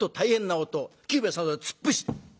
久兵衛さんは突っ伏した。